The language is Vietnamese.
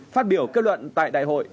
phát biểu kết luận tại đại hội